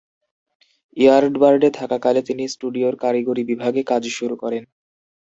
ইয়ার্ডবার্ডে থাকাকালে তিনি স্টুডিওর কারিগরি বিভাগে কাজ শুরু করেন।